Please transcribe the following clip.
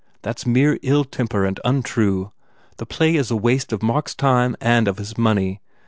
That s mere ill temper and untrue. The play is a waste of Mark s time and of his money.